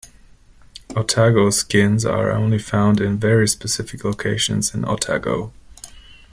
Otago skinks are only found in very specific locations in Otago.